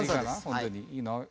本当にいいの？